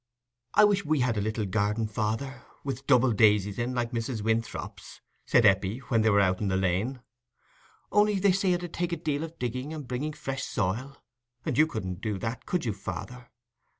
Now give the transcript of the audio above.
"I wish we had a little garden, father, with double daisies in, like Mrs. Winthrop's," said Eppie, when they were out in the lane; "only they say it 'ud take a deal of digging and bringing fresh soil—and you couldn't do that, could you, father?